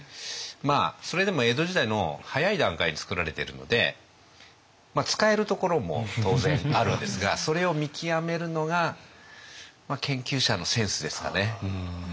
それでも江戸時代の早い段階でつくられてるので使えるところも当然あるんですがそれを見極めるのが研究者のセンスですかね。